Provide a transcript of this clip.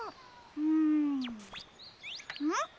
うんん？